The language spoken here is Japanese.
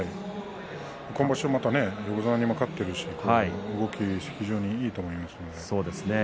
今場所また横綱にも勝っているし動きが非常にいいと思います。